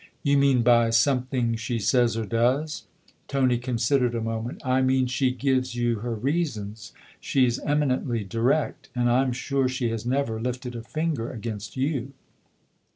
" You mean by something she says or does ?" Tony considered a moment. " I mean she gives you her reasons she's eminently direct. And I'm sure she has never lifted a finger against you."